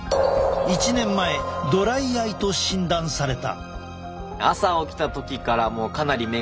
１年前ドライアイと診断された。